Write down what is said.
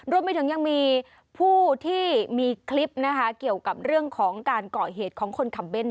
รวมไปถึงยังมีผู้ที่มีคลิปเกี่ยวกับเรื่องของการเกาะเหตุของคนขับเน้น